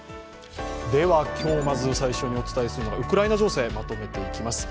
では今日まず最初にお伝えするのが、ウクライナ情勢まとめていきます。